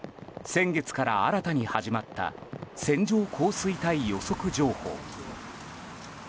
先月から新たに始まった線状降水帯予測情報。